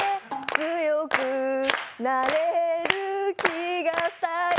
強くなれる気がしたよ